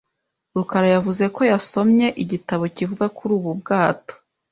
rukara yavuze ko yasomye igitabo kivuga kuri ubu bwato .